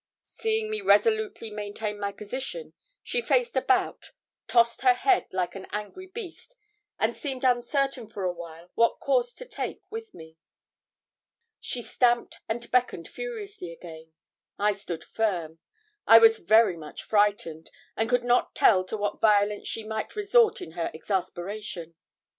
Seeing me resolutely maintain my position, she faced about, tossed her head, like an angry beast, and seemed uncertain for a while what course to take with me. She stamped and beckoned furiously again. I stood firm. I was very much frightened, and could not tell to what violence she might resort in her exasperation.